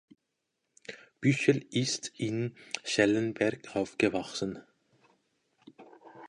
Büchel ist in Schellenberg aufgewachsen.